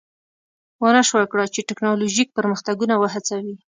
ونشوای کړای چې ټکنالوژیک پرمختګونه وهڅوي